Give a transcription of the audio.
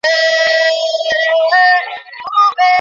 আমি এখন স্বেচ্ছায় আত্মসমর্পণ করতে বদ্ধপরিকর।